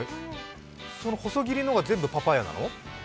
その細切りのが全部パパイヤなの？